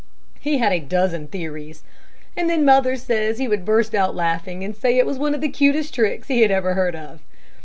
He had a dozen theories, and then mother says he would burst out laughing, and say it was one of the cutest tricks that he had ever heard of.